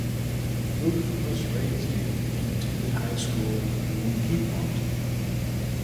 Ruth was raised in and attended high school in Piedmont.